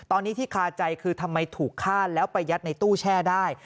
ตอนนี้ที่คาใจคือทำไมถูกฆ่าแล้วไปยัดในตู้แช่ได้